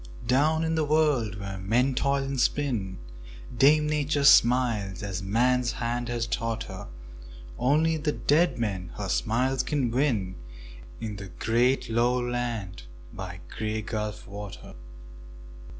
Down in the world where men toil and spin Dame Nature smiles as man's hand has taught her; Only the dead men her smiles can win In the great lone land by the Grey Gulf water.